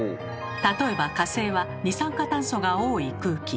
例えば火星は二酸化炭素が多い空気。